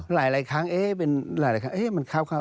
หลายครั้งเอ๊ะเป็นหลายครั้งมันคร่าว